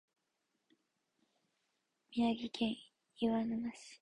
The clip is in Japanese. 宮城県岩沼市